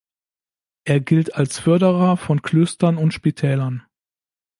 Er gilt als Förderer von Klöstern und Spitälern.